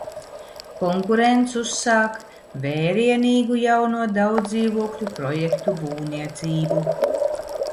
Konkurents uzsāk vērienīgu jauno daudzdzīvokļu projektu būvniecību.